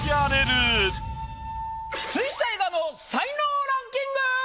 俳句水彩画の才能ランキング！